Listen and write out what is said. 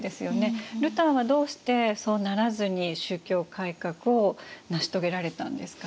ルターはどうしてそうならずに宗教改革を成し遂げられたんですか？